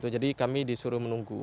jadi kami disuruh menunggu